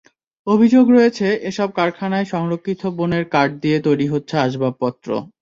অভিযোগ রয়েছে, এসব কারখানায় সংরক্ষিত বনের কাঠ দিয়ে তৈরি হচ্ছে আসবাবপত্র।